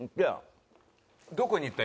どこに行った？